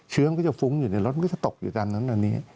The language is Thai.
เชื้อมันก็จะฟุ้งอยู่ในรถมันก็จะตกอยู่ตามนั้นอันนี้